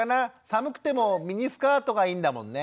寒くてもミニスカートがいいんだもんね。